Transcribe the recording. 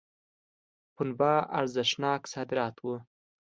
پنبه ارزښتناک صادرات وو.